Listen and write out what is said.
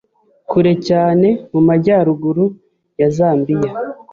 kure cyane mu majyaruguru ya Zambiya